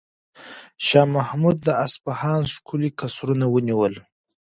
شاه محمود د اصفهان ښکلي قصرونه ونیول.